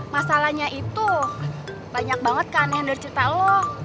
masalahnya itu banyak banget keanehan dari cerita lo